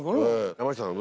山下さん